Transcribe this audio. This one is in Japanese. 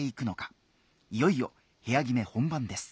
いよいよ部屋決め本番です。